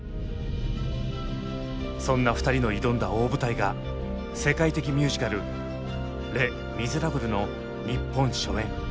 そんな２人の挑んだ大舞台が世界的ミュージカル「レ・ミゼラブル」の日本初演。